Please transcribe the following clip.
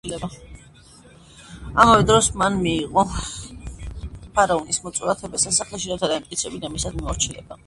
ამავე დროს მან მიიღო ფარაონის მოწვევა თებეს სასახლეში, რათა დაემტკიცებინა მისადმი მორჩილება.